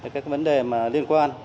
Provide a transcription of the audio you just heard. các vấn đề liên quan